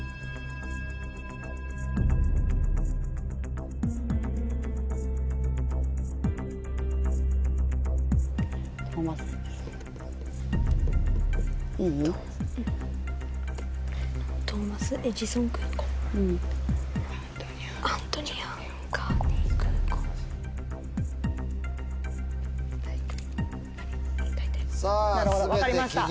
なるほど分かりました。